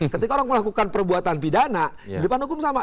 ketika orang melakukan perbuatan pidana di depan hukum sama